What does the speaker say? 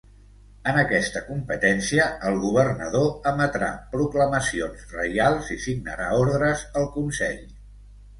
En aquesta competència, el governador emetrà proclamacions reials i signarà ordres al consell.